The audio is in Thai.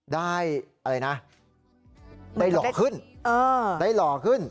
ได้อะไรนะได้หล่อขึ้นได้หล่อขึ้น